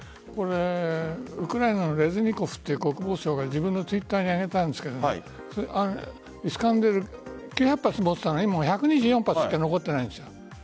ウクライナのレズニコフという国防相が自分のＴｗｉｔｔｅｒに上げたんですがイスカンデル９００発持っていたのが今は１２４発しか残っていない。